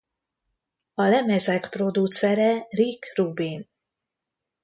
A lemezek producere Rick Rubin.